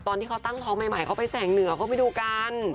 ตอนที่เขาตั้งท้องใหม่เขาไปแสงเหนือเขาไปดูกัน